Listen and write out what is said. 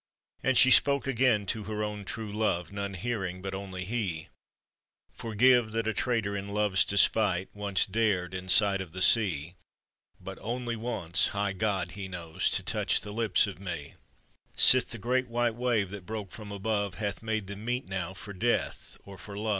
And she spoke again to her own true love, None hearing but only he: " Forgive that a traitor in love's despite Once dared in sight of the sea— But only once— high God He knows — To touch the lips of me, Sith the great white wave that broke from above Hath made them meet now for death or for love."